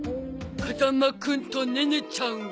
風間くんとネネちゃんは？